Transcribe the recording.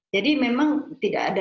jadi memang tidak ada